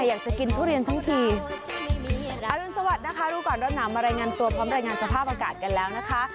อยากจะกินทุเรียนทั้งทีอรุณสวัสดิ์นะคะรู้ก่อนร้อนหนาวมารายงานตัวพร้อมรายงานสภาพอากาศกันแล้วนะคะ